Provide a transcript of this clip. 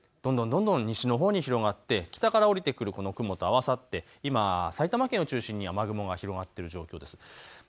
どんどん西のほうに広がって北から下りてくる雲と合わさって今、埼玉県を中心に雨雲が広がっている状況です。